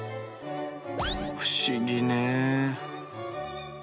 不思議ね。